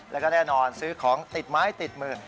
แล้วก็แน่นอนซื้อของติดไม้ติดมือ